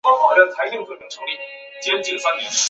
巴苏埃。